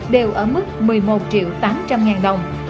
đều ở mức một mươi một triệu tám trăm linh ngàn đồng